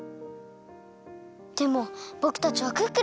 でもぼくたちはクックルンです！